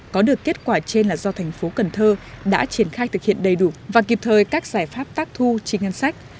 có được kết quả trên là do thành phố cần thơ đã triển khai thực hiện đầy đủ và kịp thời các giải pháp tác thu chi ngân sách